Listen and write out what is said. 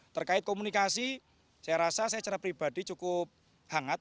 terkait komunikasi saya rasa saya secara pribadi cukup hangat